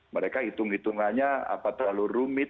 mereka hitung hitungannya apa terlalu rumit